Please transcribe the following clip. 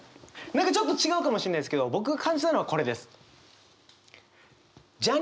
何かちょっと違うかもしれないんですけど僕が感じたのはこれです。